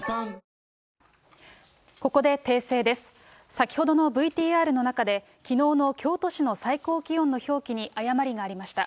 先ほどのＶＴＲの中で、きのうの京都市の最高気温の表記に誤りがありました。